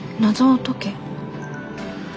「謎を解け」。